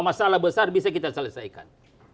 masalah besar bisa kita selesaikan